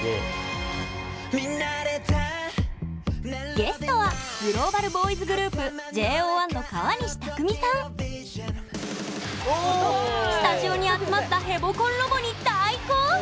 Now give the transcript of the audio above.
ゲストはグローバルボーイズグループスタジオに集まったヘボコンロボに大興奮！